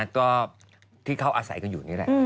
ก็ที่เขาอาศัยกันอยู่นี่แหละ